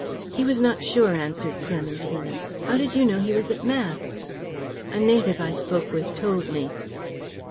"He was not sure," answered Clementina. "How did you know he was at Mass?" "A native I spoke with told me."